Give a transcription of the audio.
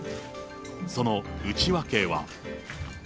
その内訳は。